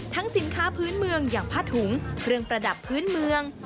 สินค้าพื้นเมืองอย่างผ้าถุงเครื่องประดับพื้นเมือง